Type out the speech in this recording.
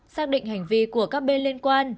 xác định hành vi của các bên liên quan